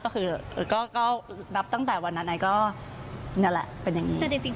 ก็คือก็นับตั้งแต่วันนั้นก็นั่นแหละเป็นอย่างนี้